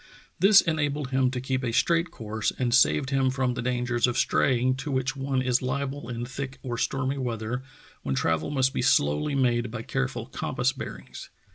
This enabled him to keep a straight course, and saved him from the dangers of straying to which one is liable in thick or stormy weather when travel must be slowly made by careful compass bearings.